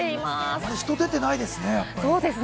あまり人、出てないですね。